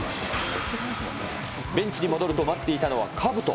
ベンチに戻ると待っていたのはかぶと。